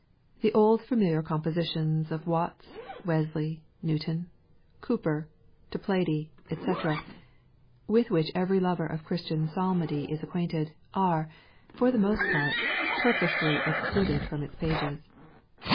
The old familiar compositions of Watts, Wesley, Newton, Cowper, Toplady, &c., with which every lover of Christian psalmody is acquainted, are, for the most part, purposely ex cluded from its pages.